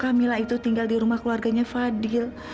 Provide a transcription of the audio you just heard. kamila itu tinggal di rumah keluarganya fadil